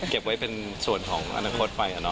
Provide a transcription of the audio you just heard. เก็บไว้เป็นส่วนของอนาคตไป